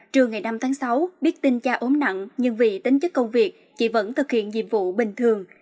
trưa ngày năm tháng sáu biết tin cha ốm nặng nhưng vì tính chức công việc chị vẫn thực hiện nhiệm vụ bình thường